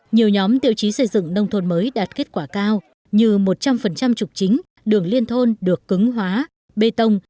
nhiều nhóm tiêu chí xây dựng nông thôn mới đạt kết quả cao như một trăm linh trục chính đường liên thôn được cứng hóa bê tông